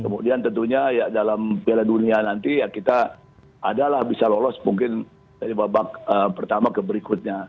kemudian tentunya ya dalam piala dunia nanti ya kita adalah bisa lolos mungkin dari babak pertama ke berikutnya